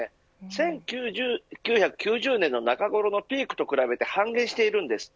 １９９０年代の中ごろのピークと比べて半減しているんです。